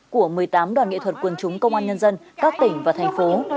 của một mươi tám đoàn nghệ thuật quần chúng công an nhân dân các tỉnh và thành phố